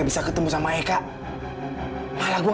terima kasih juga mila